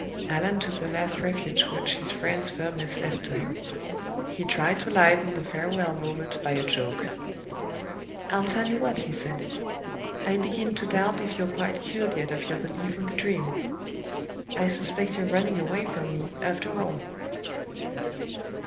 Allan took the last refuge which his friend's firmness left to him: he tried to lighten the farewell moment by a joke. "I'll tell you what," he said, "I begin to doubt if you're quite cured yet of your belief in the Dream. I suspect you're running away from me, after all!"